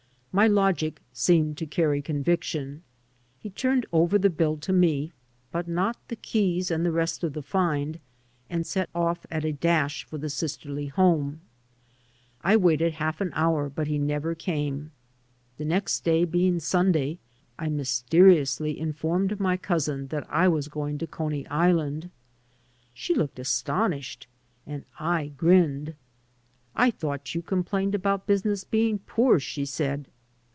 My logic seemed to carry conviction. He turned over the biU to me (but not the keys and the rest of the find) and set off on a dash for the sisterly home. I waited half an hour, but he never came. The next day being Sunday, I mysteriously informed my cousin that I was gomg to Coney Island. She looked astonished and I grinned. "I thought you complained about business being poor," she asked.